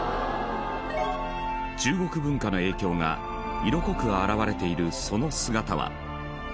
中国文化の影響が色濃く表れているその姿は。